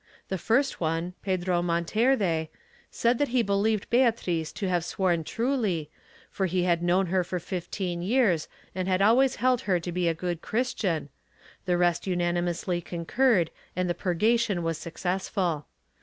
The first one, Pedro Monterde, said that he believed Beatriz to have sworn truly, for he had known her for fifteen years and had always held her to be a good Christian, the rest unanimously concurred and the purgation was successful.